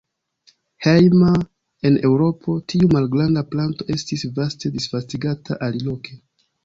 Hejma en Eŭropo, tiu malgranda planto estis vaste disvastigata aliloke.